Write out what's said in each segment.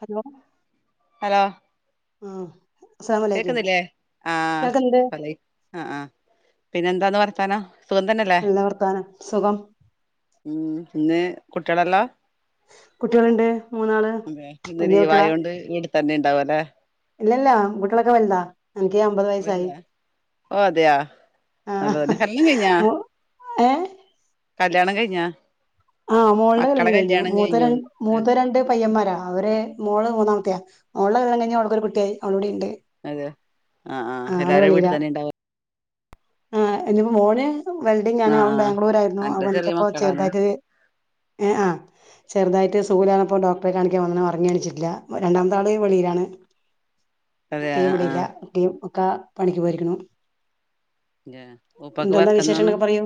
Hello hello ആഹ കേക്കുന്നില്ലേ ആഹ കേൾക്കുന്നുണ്ട് പറ ആ ആഹ് പിന്നെന്താന്ന് വർത്താനം സുഖം തന്നെല്ലേ നല്ല വർത്താനം സുഖം ഉം ഇന്ന് കുട്ടികളല്ലോ കുട്ടികളുണ്ട് മൂന്നാള് അതെ ഇന്ന് വല്യ കുട്ടികളാ ലീവായൊണ്ട് വീട്ടി തന്നെ ഉണ്ടാവല്ലെ ഇല്ലല്ല കുട്ടികളൊക്കെ വെൽതാ എനിക്ക് അമ്പത് വയസായി. ഓലില്ലേ ഓ അതെയാ നല്ലതന്നെ കല്യാണം കഴിഞ്ഞാ മു ഏഹ് കല്യാണം കഴിഞ്ഞാ ആഹ് മോളുടെ കല്യാണം കഴിഞ്ഞു മൂ മൂത്ത രണ്ട് പയ്യന്മാ അവര് മോള് മൂന്നാമത്തെയാ മോളെ കല്യാണം കഴിഞ്ഞാ അവക്കൊരു കുട്ടിയായി അവള് വിടെ ണ്ട് അതെ ആഹ് ആഹ എല്ലാരും വീട്ടിൽ തന്നെ ഇണ്ടാവ ആ അയ്‌ന് മോന് വെൽഡിംഗ ആണ് ആഹ് അവൻ ആഹ് ബാംഗ്ലൂരായിരുന്നു അന്റെ ചെറിയ അവൻക്കിപ്പോ മക്കളാണ് ചെർതായിട്ടൊരു ആ ചെറുതായിട്ട് സുഖല്ലാ ർഞ്ഞ പ്പൊ ഡോക്ടറെ കാണിക്കാൻ വന്ന ഒ ർ ങ്ങി എണീറ്റിട്ടില്ല. രണ്ടാമത്താള് വെളി യിലാണ്. അതെ ഇക്കയും ആഹ് ഇവ്ടില്ല. ആഹ് ഇക്കയും ഒക്കെ പണിക്ക് പോയിരിക്കണു ന്റെ ഉപ്പക്ക് എന്തന്താ വർക്കെന്താന്ന് വിശേഷങ്ങളൊക്കെ പറയൂ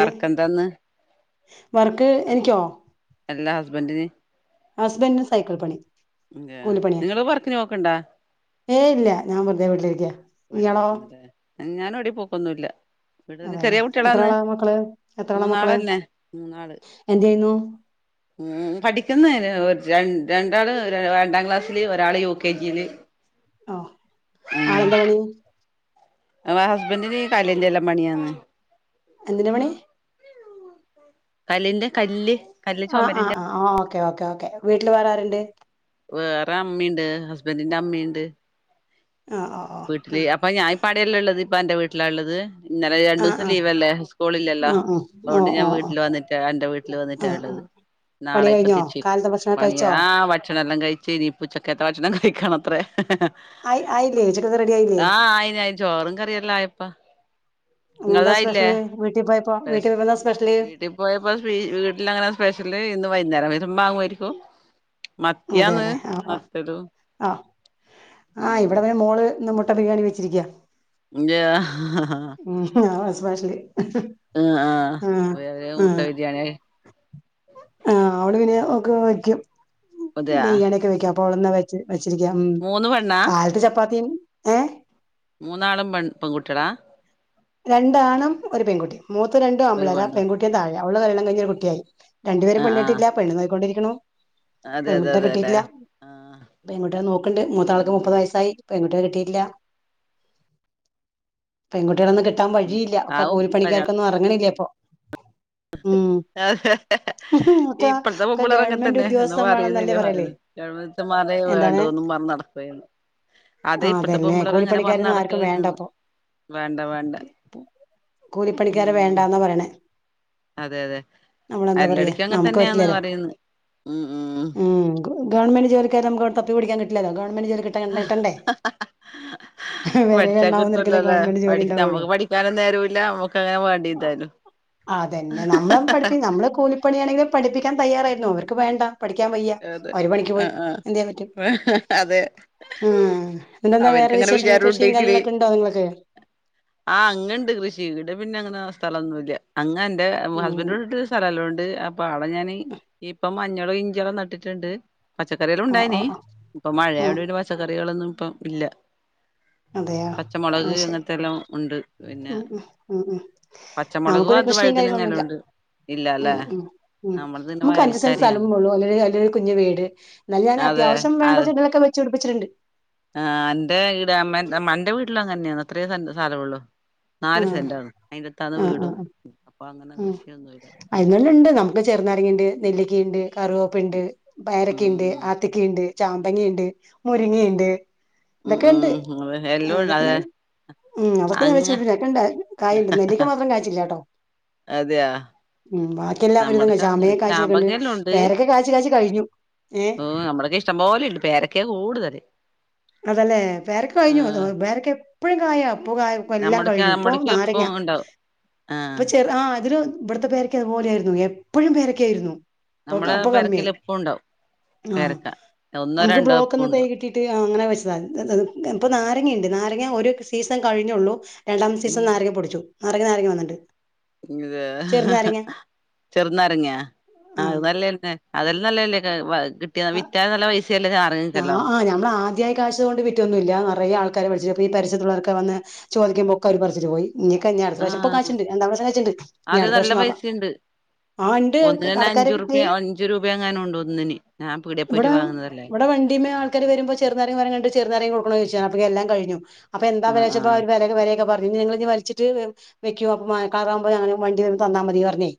ഏ എന്താന്ന് വർക്ക് എനിക്കോ അല്ല ഹസ്ബൻഡിന് ഹസ്ബൻഡിന് സൈക്കിൾ പണി ന്റെ കൂലിപ്പണിയ നിങ്ങള് വർക്കിന് പോക്ക്ണ്ടാ ഏ ഇല്ല ഞാൻ വെറുതെ വീട്ടിലിരിക്ക ഇയാളോ വീട്ടിലിരിക്കുന്നല്ലേ ഞാന എവിട പോക്കൊന്നുംല്ല ഇവിടെ തന്നെ അതെല്ലെ ചെറിയ എത്ര കുട്ടികളാന്ന് ആളാ മക്കള് എത്ര ആളാ മക്കള് മൂന്നാളന്നെ മൂന്നാള്. [unintelligible] ഉം പഠിക്കുന്ന ര രണ്ടാള് രണ്ടാം ക്ലാസ്സില് ഒരാള് യു കെ ജിയില്. ഓ ആളെന്താ പണി ആ ഹസ്ബൻഡിന് കല്ലിന്റെ എല്ലാം പണിയാന്ന് എന്തിന്റെ പണി കല്ലിന്റെ കല്ല് കല്ല് ആ ആ ചുമരിന്റെ ആ ഓക്കെ ഓക്കേ ഓക്കേ വീട്ടില് വേറെ ആരുണ്ട് വേറെ അമ്മീം ണ്ട് ഹസ്ബൻറിന്റെ അമ്മീം ണ്ട്. ആ ഓ ഓ വീട്ടില് ഉം. അപ്പൊ ഞാൻ ഇപ്പാടല്ലാ ഇ ള്ളത് ഇപ്പ എന്റെ വീട്ടിലാ ഇള്ളത്. ഇന്നലെ ആ രണ്ടൂസം ആ ലീവ് ആ അല്ലേ സ്കൂള് ഇല്ലല്ലോ ആ ഓ ഓ അതോണ്ട് ഞാൻ ഓ വീട്ടില് വന്നിട്ടാ എന്റെ വീട്ടില് ആ ആ വന്നിട്ടാള്ളത് പണി നാളെ ഇപ്പൊ കഴിഞ്ഞോ തിരിച്ചക്കും കാലത്തെ ഭക്ഷണം പണിയ കഴിച്ചോ ആ ഭക്ഷണം എല്ലാം കഴിച്ച് ഇനിപ്പൊ ഉച്ചക്കത്തെ ഭക്ഷണം കഴിക്കണത്രേ ആ ആയില്ലേ ഉച്ച ആഹ ആയിന് ചോറും കറിയല്ലോ ആയപ്പ എന്താ സ്പെഷ്യല് വീട്ടി വീട്ടി പോയപ്പോ വീട്ടിൽ അങ്ങനെ സ്പെഷ്യൽ ല് ഇന്ന് വൈകുന്നേരം വരുമ്പോ മാ ങ്ങുമായിരിക്കും അതെല്ലെ ആ ആ ആ ഉം ഇവിടെ പിന്നെ മോള് ന്ന് മുട്ട ബിരിയാണി വെച്ചിരിക്ക [unintelligible] സ്പാഷല് ആഹ് ആഹ മുയല് ആ മുട്ട ബിരിയാണിയായി ആ അവിടെ പിന്നെ ഒക്കെ വെക്കും അതെയാ ബിരിയാണി ഒക്കെ വെക്കും അപ്പോളന്ന വെച്ച് വെച്ചിരിക്കാം മൂന്ന് പെണ്ണാ കാലത്ത് ചപ്പാത്തിം മൂന്നാളും പെൺ പെങ്കുട്ടിയളാ രണ്ടാണും ഒരു പെൺകുട്ടി മൂത്ത രണ്ടും ഒരു ആമ്പിള്ളേരാ പെണ്ണ് പെൺകുട്ടിയും താഴെ അവള് കല്യാണം കയിഞ്ഞ് കെള്ളം കഴിഞ്ഞൊ ഒരു കുട്ടിയായി. രണ്ടു പരും ആഹ് ആഹ് പെണ്ണേട്ടിട്ടില്ല. പെണ്ണ് നോക്കി ക്കൊണ്ടിരിക്കുന്നു. അതെ അതെ പെൺകുട്ട അതെ അല്ലെ കിട്ടിയിട്ടില്ല ആഹ് പെൺകുട്ടിയെ നോക്കണ്ട് മൂത്ത ആൾക്ക് ഉം മുപ്പത് വയസായി. പെൺകുട്ടിയെ കിട്ടിയിട്ടില്ല. പെൺകുട്ടികളൊന്ന് കിട്ട കിട്ടാൻ വഴിയില്ല ഒക്കെ ആവും കൂലിപ്പണിക്കാർക്കൊന്നും അ റങ്ങണില്ലേ പ്പൊ. ഒക്കെ ഇപ്പയ്ത്തെ ഒക്കെ പെമ്പളേർങ്ങ ഗവൺമെന്റ് തന്നെ [unintelligible] [unintelligible] ഉദ്യോഗസ്ഥം വേണംന്നല്ലേ പറയല് എന്താണ് നടപ്പന്ന് അതെ ആ ഇപ്പഴത്തെ പോ അതന്നെ പിള്ളേർ അങ്ങനെ വന്ന കൂലിപ്പണിക്കാരൊന്നും ആർക്കും നടക്കന്ന് വേണ്ടപ്പൊ വേണ്ട വേണ്ട കൂലിപ്പണിക്കാരെ ഉം വേണ്ടാന്നാ പറേണേ അതെ അതെ കല്ലടിക്കും നമുക്ക് അങ്ങനെതന്നെയാന്നു പറ്റില്ലല്ലോ പറയുന്നത് ഉം ഉം ഗവൺമെന്റുജോലിക്കാരെ നമുക്ക് തപ്പിപിടിക്കാൻ കിട്ടില്ലല്ലോ ഗവൺമെന്റുജോലി കിട്ട കിട്ടെണ്ടേ വെരലിലെണ്ണാവുന്നവർക്കല്ലേ ഗവൺമെന്റ് ജോലി യുണ്ടാവുകയുള്ളൂ വേറെ തരൂല്ലാ നമുക്കങ്ങനെ വേണ്ടിതരും അതന്നെ നമ്മളുപഠിപ്പി നമ്മളു കൂലിപ്പണിയാണെങ്കിലും പഠിപ്പിക്കാൻ തയ്യാറായിരുന്നു അവർക്കുവേണ്ട. പഠിക്കാൻവയ്യാ അതെ ഓരു പണിക്കുപോയി ആഹ് ആഹ് എന്തുചെയ്യാൻപറ്റും അതെ ഉം.. എന്തോന്നാ അവർക്ക് വേറെ വിശേഷങ്ങള് കൃഷിയും കാര്യങ്ങളൊക്കെയുണ്ടോ നിങ്ങൾക്ക് ആ അങ്ങുണ്ട്കൃഷി ഇവിടെ പിന്നെയങ്ങനെ സ്ഥലമൊന്നുമില്ല അങ്ങാന് ഉം ഹസ്ബന്റിന്റെ വീട്ടിൽ സ്ഥലമെല്ലാമുണ്ട് അപ്പൊ അവിടെ ഞാനിപ്പം മഞ്ഞോളോ ഇഞ്ചിയോ യൊക്കെനട്ട് നട്ടിട്ടൊണ്ട് ആ ആ പച്ചക്കറികളുണ്ടായേനെ ആ ഇപ്പൊ മഴയായതു ഉം കൊണ്ടുപിന്നെ പച്ചക്കറികളൊന്നും ഇപ്പം ഇല്ല അതെയോ പച്ചമൊളക് അത് ശരി അങ്ങനത്തെയെല്ലാമോണ്ട് ഉം ഉം ഉം പച്ചമുളകും നമുക്കൊരു അത് കൃഷിയുംകാര്യങ്ങളൊന്നുമില്ല വഴുതനങ്ങെല്ലാണ്ട് ഇല്ലല്ലേ ഉം ഉം ഉം നമ്മളത് പിന്നെ നമുക്ക് അഞ്ചുസെന്റുസ്ഥലം വയൽക്കാരിയാണ് പോലുമതിനു നല്ലൊരു കുഞ്ഞുവീട് അതെ എന്നാലുംഞാനത്യാവശ്യം വേണ്ട ചെടികളൊക്കെ വെച്ചുപിടിപ്പിച്ചിട്ടുണ്ട് ആ എന്റെ ഇവിടെ അമ്മേൻറ്റേ അമ്മാന്റേ വീട്ടിലങ്ങനെയാണ് അത്രയേ സ്ഥലമുള്ളു ആഹ് നാലുസെന്റാണ് അതിനകത്താന്ന് ആഹ് വീടും ആഹ് അപ്പൊ അങ്ങനെ കൃഷിയൊന്നും ഇല്ല പറങ്കിയുണ്ട്, നെല്ലിക്കയുണ്ട് കറിവേപ്പുണ്ട്, ഉം പയറൊക്കെയുണ്ട്, ആത്തക്കയുണ്ട്, ചാമ്പങ്ങയുണ്ട്, മുരിങ്ങയുണ്ട്. ഉം ഉം ഇതൊക്കെയൊണ്ട് ഉം അതെ എല്ലോം ഉണ്ട്. അതെ ഇതൊക്കെ ഞാൻ അതൊക്കെ ഞാൻ വെച്ചു അങ്ങ് പിടിപ്പിച്ചിട്ടുണ്ട് ഉണ്ട് കായുണ്ട് നെല്ലിക്കാമാത്രം കായിച്ചില്ലാട്ടോ അതെയോ? ഉം ബാക്കിയെല്ലാം ഒരു വിധം. നമ്മടേക്കതൊന്നുല്ല. ചാമ്പങ്ങായും കായിച്ചുനിൽക്കയുണ്ട് ചാമ്പങ്ങേലുണ്ട്. പേരക്കാകായ്ച്ചു കായ്ച്ചു കഴിഞ്ഞു. ഏഹ് ഓ അമ്പഴക്കായിഷ്ടം പോലെയുണ്ട് പേരക്കയാ കൂടുതല് അതല്ലേ പേരക്കാ കഴിഞ്ഞു അതു ആഹ്. പേരക്കയെപ്പഴും കായാ പൂവും കായും നമ്മടക്ക് മെല്ലാംകഴിഞ്ഞു. ഇപ്പൊ നമ്മടക്ക് നാരങ്ങ, എപ്പും ഉണ്ടാവും. ആഹ്. ഇപ്പൊ ചെറു ആ ഇതൊരു ഇവിടത്തെ പേരക്കായതുപോലെയായിരുന്നു എപ്പഴും പേരക്കായായിരുന്നു ഇപ്പോ ക നമ്മടെ അപ്പൊ കമ്മിയായി പേരക്കേല് എപ്പും ഉണ്ടാവും ആ പേരക്ക. ഒന്നോ നമുക്ക് രണ്ടോ എപ്പും ബ്ലോക്ക്ന്ന് തൈ ഉണ്ടാവും. കിട്ടിട്ടില്ലാ ആ അങ്ങനെവെച്ചതാ ഇപ്പൊ ഉം. നാരങ്ങയുണ്ട് നാരങ്ങാ ഒരു സീസൺ കഴിഞ്ഞൊള്ളു രണ്ടാമത്തെ സീസണില് ഉം. നാരങ്ങാ പൊടിച്ചു നാരങ്ങ നാരങ്ങ വന്നൊണ്ട് ഇത് ചെറുനാരങ്ങായാ ആ നല്ലതുതന്നെ അതിലും നല്ലതല്ലേയിത് കിട്ടിയാ ആ, വിറ്റാ നല്ല പൈസയല്ലേ നാറുങ്ങക്കെല്ലാം അതിയായ കാശുകൊണ്ട് വിറ്റൊന്നു മില്ല. നിറയെആൾക്കാരു പറിച്ചപ്പോ ഈ പരിസരത്തുള്ളവരൊക്കെവന്നു ചോദിക്കുമ്പൊ ഒക്കെയവര് പറിച്ചിട്ടുപോയി ഇനി കഴിഞ്ഞാ, അടുത്ത പ്രാവശ്യ ആഹ്. മിപ്പകായ്ച്ചിണ്ട്. രണ്ടാമത്തെകായ്ച്ചിട്ണ്ട്. ഇനിയടുത്തവർഷം നോക്കാം ആ ഇണ്ട് ഒന്നിനുതന്നെ അഞ്ചു കടക്കാര്ണ്ട് ർപ്പികാ, അഞ്ചുരൂപയെങ്ങാനുമുണ്ട് ഒന്നിന് ഞാൻ പീടികേ ഇവിടെ, പോയിട്ട് വാങ്ങുന്നതല്ലേ. ഇവിടെ വണ്ടീന്മേൽ ആൾക്കാരു വരുമ്പോ ചെറുനാരങ്ങാ മരം കണ്ട്ചെറുനാരങ്ങാ കൊടുക്കണോ ചോദിച്ചു ചാമ്പങ്ങായെല്ലാം കഴഞ്ഞു. അപ്പൊയെന്താ വില ആഹ് ആഹ്. ചോദിച്ചപ്പോളവരു വിലയൊക്കെ പറഞ്ഞു പിന്നെനിങ്ങളിതു വലിച്ചിട്ടുവെക്കു അപ്പൊ കാറാകുമ്പോഞങ്ങള് വണ്ടിവരുമ്പം തന്നാ മതിയെന്നു പറഞ്ഞ്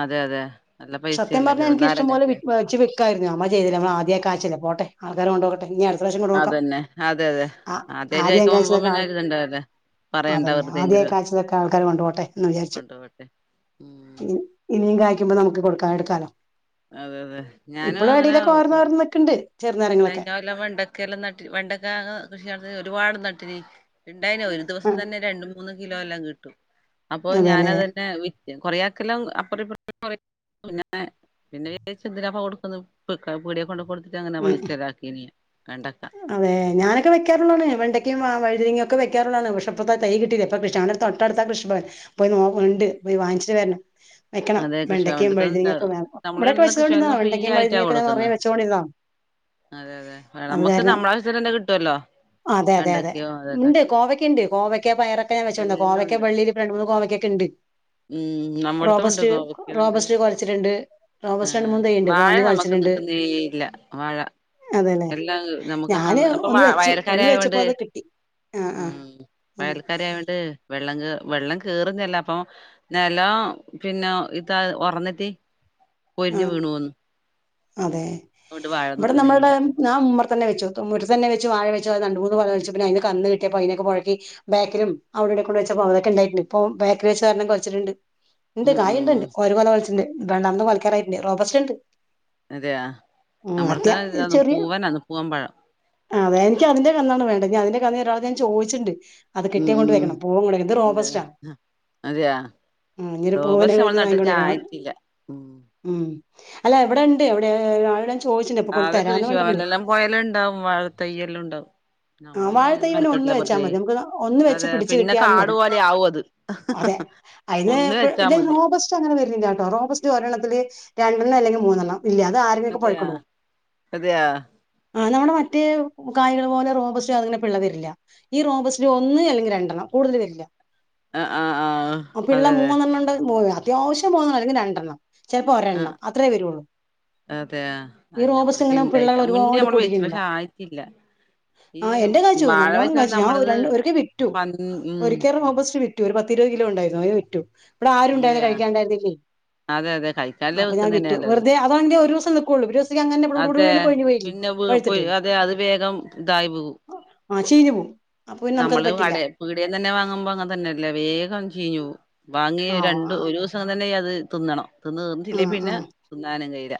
അതെ അതെ നല്ല സത്യം പൈസയല്ലേ പറഞ്ഞാലെനിക്കിഷ്ടം പോലെ, ചെറുനാരങ്ങൊക്കെ വിൽ പറിച്ചുവിൽ അമ്മ ചെയ്തില്ല. നമ്മൾ ആദ്യായികായ്ച്ചല്ലേ പോട്ടെ, ആൾക്കാരു കൊണ്ടുപൊയ്ക്കോട്ടെ ഇനി അടു ഒരു പ്രാവശ്യക്കൂടെ നോക്കാം. അതന്നെ അതെ അതെ ആ.. ആദ്യായിട്ട് ആദ്യം കഴിക്കുമ്പോ കായ്ച്ചതൊക്കെ പിന്നെ ആൾ ഒരിതുണ്ടാവൂല്ലേ പറയണ്ട അതന്നെ ആദ്യായി വെറുതെങ്കിലും കായ്ചതൊക്കെ ആൾക്കാരു കൊണ്ടുപോട്ടെ യെന്നുവിചാരിച്ചു കൊണ്ടോവട്ടെ ഉം ഇനിയും കായ്ക്കുമ്പോ നമുക്ക് കൊട്ക്കാ എട്ക്കാലോ അതെ തെ ഇപ്പളും എടേലൊക്കെ ഓരോന്നോരോന്ന് നിക്ക്ണ്ട് ചെറുനാരങ്ങളൊക്കെ കഴിഞ്ഞൊല്ലം വെണ്ടക്കെല്ലാം നട്ടി വെണ്ടക്ക കൃഷി നട്ട് ഒരുപാട് നട്ടീന് ഇണ്ടായിനി ഒരു ആ ദിവസം തന്നെ രണ്ട് മൂന്ന് കിലോ എല്ലാം കിട്ടും അപ്പൊ അതെല്ലേ ഞാനതെന്നെ വിറ്റ് കൊറേയാക്കെല്ലാം അപ്പറും ഇപ്പറും കൊറേയാക്കെല്ലാം പിന്നെ പിന്നെ വിജാരിച്ച് എന്തിനാപ്പം കൊടുക്കുന്നേ പീടിയേ കൊണ്ട് കൊടുത്തിട്ട് അങ്ങനെ ഉം പൈസ അതെ ഞാനൊക്കെ വെക്കാറുള്ളാണ് വെണ്ടക്കിം വഴുതനങ്ങിം ക്കെ ഒക്കെ വെക്കാറുള്ളാണ് പക്ഷേ പ്പൊ തൈ കിട്ടയില്ല പ്പ ഞങ്ങടെ തൊട്ടടുത്താ കൃഷിഭവൻ പോ നോഇണ്ട് പോയി വങ്ങിച്ചിട്ട് വരണം വെക്കണം അതെ വെണ്ടക്കയും കൃഷിഭവന്റെത്ത് വഴുനങ്ങയൊക്കെ നമ്മള് ഇവിടെക്കെ ഇടുന്ന വെച്ചതോണ്ടിന്നു കൃഷിഭവൻന്ന് ഫ്രീ വെണ്ടക്കയും ആയിട്ടാ വഴുതനങ്ങയൊക്കെ കൊടുക്കുന്നെ ഞൻപറഞ്ഞു വെച്ചുകൊണ്ടിരുന്നോ അതെ അതെ നമ്മുക്ക് നമ്മളാവശ്യത്തിന് തന്നെ കിട്ടുവല്ലോ അതെ അതെ അതെ വെണ്ടക്കയോ അതല്ല ഉണ്ട് കോവയ്ക്കുയുണ്ട് കോവയ്ക്ക പയറൊക്കെ ഞൻ വെച്ചോണ്ട എല്ലാം കോവയ്ക്ക ഉണ്ട് വള്ളിൽ മൂന്ന് കോവയ്ക്കൊക്കെ ഉണ്ട് ഉം നമ്മടത്തും റോബസ്റ്റ് റോബസ്റ്റ് കുലച്ചിട്ടുണ്ട്. അ റോബസ്റ്റ് രണ്ട് ആ മൂന്ന് തൈയ്യുണ്ട് വാഴ ഒന്ന് നമുക്ക് കുലച്ചിട്ടുണ്ട് നിക്കുന്നേയില്ല അതെല്ലേ എല്ലാം നമുക്ക് ഞാന് എന്താഇപ്പൊ ഒന്ന് വെച്ചു വയൽക്കര ഒന്ന് ആയൊണ്ട് വെച്ചപ്പോ അത് കിട്ടി ആഹ് ആഹ് ഉം വയൽക്കാരയൊണ്ട് വെള്ളം കേ വെള്ളം കേറുന്നല്ല അപ്പൊ നെലോ പിന്നെ ഇതാ ഉറന്നിട്ട് ആഹ് പൊരിഞ്ഞു ആഹ് വീണുവന്ന് അതെ ഇവിടെ നമ്മളുടെ ഞാൻ ഉമ്മറത്തന്നെ വെച്ചോടുത്തു ഉമ്മറത്തന്നെ വാഴവെച്ചു രണ്ട് മൂന്ന് കൊല വെച്ചു പിന്നെ അതിന്ന് കന്ന് കിട്ടിയപ്പോ അതിനൊക്കെ പുഴക്കി ബാക്കിൽ അവിടെ കൊണ്ട് വെച്ചപ്പോ അതൊക്കെണ്ടായിട്ടുണ്ട് ഇപ്പൊ ബേകില് വെച്ചൊരെണ്ണം കൊലച്ചിട്ടുണ്ട് ഉണ്ട് ഉം ഉം കായുണ്ട് ഒരുകൊല കൊലച്ചിട്ടുണ്ട് രണ്ടാമത്തെ കൊലക്കാറായിട്ടുണ്ട്, റോബറ്റ് ഉണ്ട് അതെയ ഉം നമ്മൾക്ക് അത്യാ ചെറിയ പൂവാനാന്ന് പൂവൻ പഴം അതെ എനിക്ക് അതിന്റെ കന്നാണ് വേണ്ടേ അതിന്റെ കന്ന് ഒരാളോട്ഞാൻ ചോദിച്ചിട്ടുണ്ട് അത് ഉം കിട്ടിയ കൊണ്ട് ഉം വെക്കണം [unintelligible] ഇത് അതെ റോബസ്റ്റ ആ അതെയാ ഇങ്ങേരു പോവല് റോബസ്റ്റ് നമ്മളെ നട്ടിട്ട് [unintelligible] ആയിട്ടില്ല ഉം അല്ല ഇവിടെ ഉണ്ട് എവിടെടെ അത് കൃഷിഭവനിൽ എല്ലാം പോയാല് ഉണ്ടാവും വാഴത്തയ്യെല്ലാം ഉണ്ടാവും ആ നമ്മള് പിന്നെ അയിനൊന്നും വാഴതൈപിന്നെ ഒന്ന് മെനക്കെട്ടില്ല വെച്ചാൽ വെറുതെ മതി, നമുക്ക് ഒന്ന് വെച്ച് അതെ പിടിച്ചു പിന്നെ കിട്ടിയാല് കാട് മതി പോലെ ആവും അത് അതെ അതിന് ഒന്ന് ഇപ്പൊ വെച്ചാ മതി റോബസ്റ്റ് അങ്ങനെ വരുന്നില്ല റോബസ്റ്റ് ഒരെണ്ണത്തിൽ രണ്ടെണ്ണം അല്ലെങ്കിൽ മൂന്നെണ്ണം ഇല്ല അത് അതെയാ ആരങ്കിലുമൊക്കെ [unintelligible] അതെയാ ആ നമ്മുടെ മറ്റേ കായകള് പോലെ റൊ അങ്ങനെ പിള്ളവരില്ല, ഈ റോബസ്റ്ററ്റിൽ ഒന്ന് അല്ലെങ്കിൽ രണ്ടെണ്ണം കൂടുതൽ വരില്ല ആ ആ ആ അ പിള്ള അതെ അതെ മൂന്നെണ്ണം ഉണ്ട് അത്യാവശ്യം മൂന്നെണ്ണം അല്ലെങ്കിൽ രണ്ടെണ്ണം ചിലപ്പോ ഒരെണ്ണം അത്രയേ വരുള്ളൂ അതെ അ ഈ നമ്മള റോബസ്റ്റ് ഇങ്ങനെ ഇണ്ടായി, പിള്ളകൾ മുന്നേ ഒരുപാട് നമ്മള് വെച്ച പൊടിക്കുന്നില്ല പക്ഷെ ആയിട്ടില്ല ഈ ആ എന്റെ കാച്ചു വാഴ നല്ലോണ്ണം വെച്ചാൽ കാച്ചു ഞാൻ ര നമ്മളത് ഒരിക്കെ വിറ്റു പൻ ഉം ഒരിക്കെ റൊബസ്റ്റ് വിറ്റു. ഒരു പത്ത് രൂപ കിലോ ഉണ്ടായിരുന്നു അപ്പൊ വിറ്റു. ഇവിടെ ആരു ഉണ്ടായിരുന്നില്ല അതെയാ കഴിക്കാണ്ടായിരുന്നില്ലേ അതെ അതെ കൈക്കാലില് അപ്പൊ ഞാൻ വെക്കുന്നന്നെ വിറ്റു. നല്ലത് വെറുതെ അതാണെങ്കിൽ ഒരു [unintelligible] ഇവിടെ അതെ ഇവിടെന്ന് കൊഴിഞ്ഞു പോയില്ലേ പിന്നെ പഴുത്തിട്ട് അതെ അത് വേഗം ഇതായി പോവും. ആഹ ചീഞ്ഞു പോവും അപ്പൊ പിന്നെ നമുക്കത് നമ്മള് കട പറ്റില്ല പീടിയൽ നിന്ന്തന്നെ വാങ്ങുമ്പോ അങ്ങെനെതന്നെല്ലേ വേഗം ചീഞ്ഞു പോവും വാങ്ങി ആ രണ്ട ആ ഒരു ദിവസം തന്നെ അത് തിന്നണം തിന്ന് തീന്നട്ടില്ലേ ആ പിന്നെ തിന്നാനും കയ്യില്ല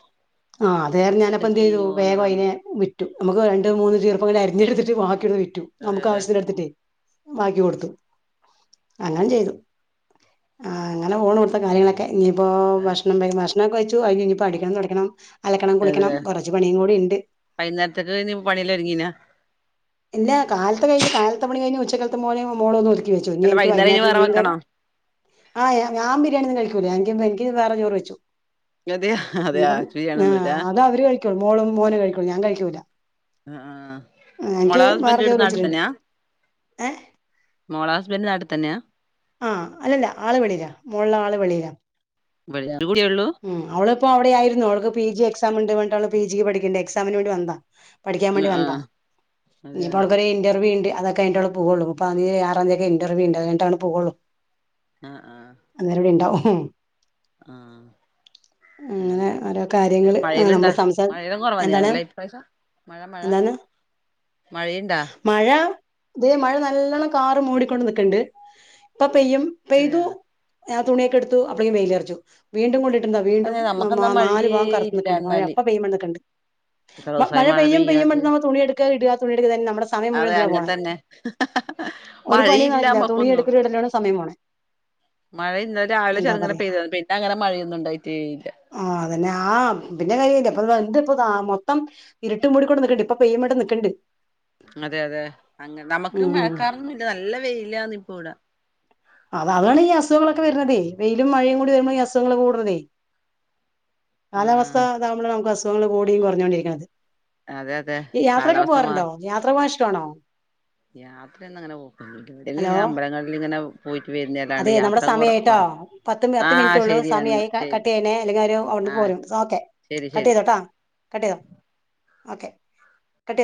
ആ അത് കാരണം ഞാനപ്പൊ എന്ത് ചെയ്തു വേഗം അതിനെ വിറ്റു. നമുക്ക് രണ്ട് മൂന്ന് ചീർപ്പങ്ങന അരിഞ്ഞെടുത്തി ടക്കിയോന്ന് വിറ്റു അതെ നമു അതെ ആവശ്യന് എടുത്തിട്ടേ ബാക്കി കൊടുത്തു. അങ്ങനെ ചെയ്തു, ആ അങ്ങനെ ഫോണ് കൊടുത്ത കാര്യങ്ങളൊക്കെ ഇനിയിപ്പോ ഭക്ഷണം ഭക്ഷണം ഒക്കെ കഴിച്ചു കഴിഞ്ഞു ഇപ്പോ അടിക്കണം തുടക്കണം അലക്കണം അതെ കുളിക്കണം കുറച്ചു പണിയും കൂടി ഉണ്ട്. വൈകുന്നേരത്തേക്ക് ഇനി പണിയെല്ലാം ഒരുങ്ങീനാ ഇല്ല കാലത്ത് കഴിഞ്, കാലത്തെ പണി കഴിഞ് ഉച്ചക്കത്തെ മോനും മോളൊന്നും ച്ചു. ഇനി അല്ല എനിക്ക് വൈകുന്നേരം ഇനി വൈന്നാരത്തിന് വേറെ മീൻകറി വെക്കണോ ആ ഞാൻ ബിരിയാണി ഒന്നും കഴിക്കുല. എനിക്ക് വേറെ ചോറ് വെച്ചു, അതെയ അതെയാ ഇനിപ്പം ചെയ്യണൊന്നുല്ല അത അവര് ക മോളും മോനും കഴിക്കുള്ളൂ, ഞാൻ കഴിക്കൂല. ആ ആ, മോള എനിക്ക് വേറെ ഹസ്ബൻഡ് ഇവ്ടെ ചോറ് വെച്ചിട്ടുണ്ട് നാട്ടിതന്നെയാ ഏഹ് മോള നാട്ടിതന്നെയാ ആ അല്ലല്ല ആള് വെളീല മോള ആള് വെളീല ഇവിടെ ഒരു കുട്ടിയേള്ളൂ ഉം അവളിപ്പോ അവിടെ ആയിരുന്നു അവൾക്ക് പി ജി എക്സാം ഇണ്ട് വ ന്നിട്ടവള് പി ജിക്ക് പഠിക്കണ്ട് എക്സാമിന് വേണ്ടി വന്നതാ പഠിക്കാൻ ആ വേണ്ടി ആ വന്നതാ അതെയാ ഇനിയിപ്പൊ അവൾക്കൊരു ഇന്റർവ്യൂ ഇണ്ട്. അതൊക്കെ കഴിഞ്ഞിട്ട് അവള് പോകൊള്ളു. മുപ്പതാംതീയതീം ആറാന്തിയൊക്കെ ഇന്റർവ്യൂ ഇണ്ട് അത് കഴിഞ്ഞിട്ടെ അവള് പോകൊള്ളൂ. അഹ് ആഹ് ആഹ് പിന്നെ അങ്ങനെ എന്താടി ഓരോ വിശേഷം കാര്യങ്ങള് ആഹ് മഴയലിണ്ടാ നമ്മള് സംസാ മഴയെല്ലാം എന്താണ് കൊറവാന്നല്ലേ ഈ പ്രാവിശ്യം. മഴ മഴ എന്താണ് മഴയിണ്ടാ മഴ ദേ മഴ നല്ലോണം കാറ് മൂടിക്കൊണ്ട് നിക്കെണ്ട് ഇപ്പൊ പെയ്യും അതെയ പെയ്തു. ഞാൻ തുണിയൊക്കെടുത്തു അപ്പളേക്കും വെയിലൊറച്ചു വീണ്ടും കൊണ്ടി ട്ടെന്താ വീണ്ടും അതെ നാ നമ്മക്കെന്നാ നാല് മഴയേ ഭാഗം കറുത്ത് ഇല്ല നിക്കെണ്ട് മഴ എന്നാല് അപ്പ പെയ്യും പറഞ്ഞ്നിക്കെണ്ട് എത്ര മ ദിവസായി മഴ പെയ്യും പെയ്യുംമ്പ പെയ്യാതെ നമ്മ തുണിയെടുക്കാ ഇടുക തുണി [unintelligible] നമ്മുടെ സമയം മുഴുവൻ അതെ എന്തിനാ അങ്ങനെ പോണെ തന്നെ ഒരു പണിയും മഴയില്ല നടക്കില്ല. നമ്മക്കൊന്നും തുണിയടുക്കലും ഇടലുവാണ് സമയം പോണേ. മഴ ഇന്നലെ രാവിലെ എന്താ ചെറുങ്ങനെ പറയാ പെയ്തരുന്നു പിന്നെ അങ്ങനെ മഴയൊന്നും ഉണ്ടായിത്തേയില്ല അന്നെ ആ പിന്നെ കാര്യല്ലേ അപ്പ എന്ത് ഇപ്പ മൊത്തം ഇരുട്ടും മൂടി കൂടെ നക്കണ്ട് ഇപ്പൊ പെയ്യ്മേട്ടം നിക്കണ്ട് അതെ അതെ അ നമുക്ക് ഉം മഴക്കാറൊന്നുംല്ല നല്ല വെയിലാന്ന് ഇപ്പൊ ഇട- അത അതാണ് ഈ അസുഖങ്ങളൊക്കെ വരണതേ വെയിലും മഴയും കൂടി വരുമ്പോൾ ഈ അസുഖങ്ങൾ കൂടണതേ കാലാവസ്ഥ ആഹ് ഇതാവുമ്പോൾ നമുക്ക് അസുഖങ്ങൾ കൂടിയും കുറഞ്ഞോണ്ടിരിക്കണുന്നത് അതെ അതെ യാത്രക്കെ കാലാവസ്ഥ പോവാറുണ്ടോ യാത്ര പോകാൻ ഇഷ്ടാണോ യാത്രയയൊന്നും അങ്ങനെ പോകില്ല ഹലോ എവിടെയെങ്കിലും അമ്പലങ്ങളിൽ ഇങ്ങനെ പോകും അതെ നമ്മുടെ സമയായിട്ടോ പത്ത് പത്ത് മിനിറ്റ ആഹ് ഉള്ളൂ ശരിയെന്നാ സമയമായി ശരി കട്ട് ചെയ്യണെ അല്ലെങ്കിൽ ഒരു ആഹ് പോരും ഓകെ ശരി കട്ട്‌ ശരി ചെയ്തോട്ട കട്ട്‌ ചെയ്തോ ഓകെ കട്ട് ചെയ്തോ